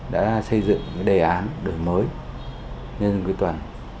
đã xây dựng đề án đổi mới nhân dân cuối tuần